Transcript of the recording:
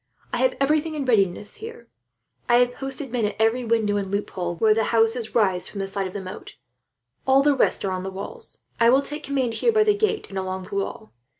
"I have everything in readiness, here. I have posted men at every window and loophole, where the house rises from the side of the moat. All the rest are on the walls. I will take command here by the gate and along the wall.